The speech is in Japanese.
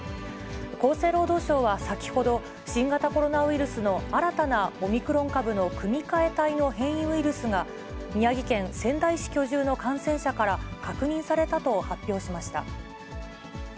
厚生労働省は先ほど、新型コロナウイルスの新たなオミクロン株の組み換え体の変異ウイルスが、宮城県仙台市居住の感染者から確認されたと発表しました。